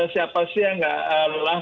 siapa sih yang nggak lelah